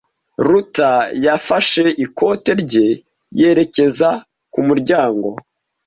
Ruta yafashe ikote rye yerekeza ku muryango.